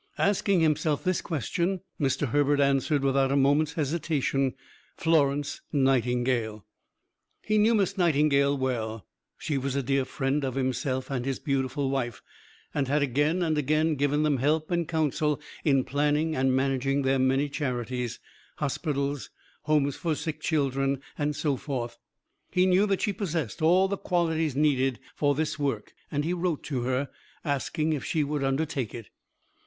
Asking himself this question, Mr. Herbert answered without a moment's hesitation: "Florence Nightingale!" He knew Miss Nightingale well; she was a dear friend of himself and his beautiful wife, and had again and again given them help and counsel in planning and managing their many charities, hospitals, homes for sick children, and so forth. He knew that she possessed all the qualities needed for this work, and he wrote to her, asking if she would undertake it.